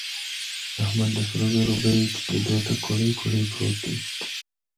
احمد د سرو زرو بيې ټيټېدو ته کوړۍ کوړۍ پروت دی.